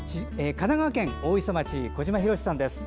神奈川県大磯町の小島弘さんです。